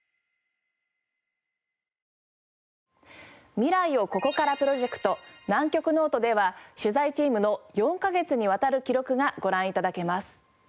「未来をここからプロジェクト×南極ノート」では取材チームの４カ月にわたる記録がご覧頂けます。